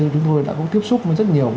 chúng tôi đã có tiếp xúc với rất nhiều